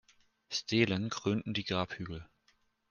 Stelen krönten die Grabhügel.